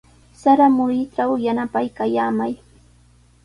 Sara muruytraw yanapaykallamay.